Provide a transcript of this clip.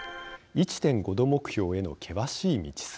１．５℃目標への険しい道筋